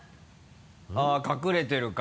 あぁ隠れてるか。